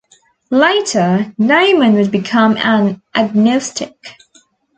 Later, Neyman would become an agnostic.